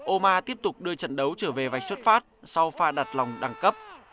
oma tiếp tục đưa trận đấu trở về vạch xuất phát sau pha đặt lòng đẳng cấp